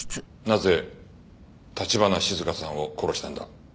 なぜ橘静香さんを殺したんだ？